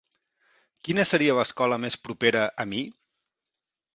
Quina seria l'escola més propera a mi?